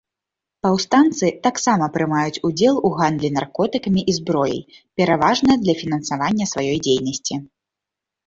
Паўстанцы таксама прымаюць удзел у гандлі наркотыкамі і зброяй, пераважна для фінансавання сваёй дзейнасці.